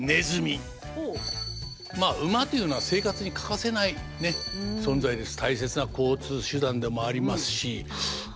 まあ馬というのは生活に欠かせない存在です。